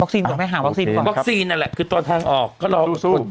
วัคซีนก่อนไหมหาวัคซีนก่อนวัคซีนนั่นแหละคือตอนทางออกก็รอสู้สู้